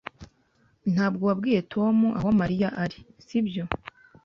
Ntabwo wabwiye Tom aho Mariya ari, sibyo?